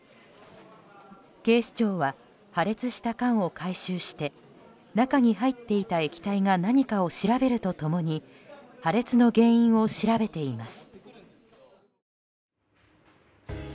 警視庁は破裂した缶を回収して中に入っていた液体が何かを調べると共に破裂の原因を調べています。